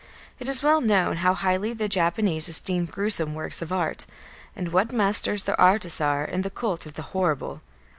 It is well known how highly the Japanese esteem gruesome works of art, and what masters their artists are in the cult of the horrible.